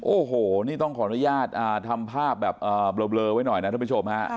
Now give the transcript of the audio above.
โอ้โหนี่ต้องขออนุญาตทำภาพแบบเบลอไว้หน่อยนะท่านผู้ชมฮะ